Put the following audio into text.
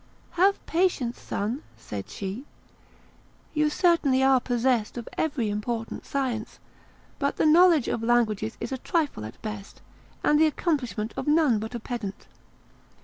"Have patience, son!" said she; "you certainly are possessed of every important science, but the knowledge of languages is a trifle at best, and the accomplishment of none but a pedant.